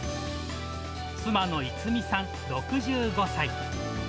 妻の逸美さん６５歳。